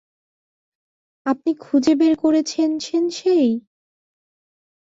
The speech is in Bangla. আপনি খুঁজে বের করেছেন, সেনসেই?